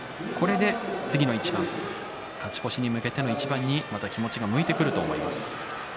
次の一番勝ち越しに向けての一番に気持ちが向いてくると思います。